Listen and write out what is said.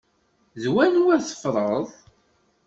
D wanwa tefḍreḍ?